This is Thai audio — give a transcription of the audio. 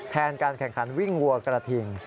แทนการแข่งขันวิ่งวัวกระทิง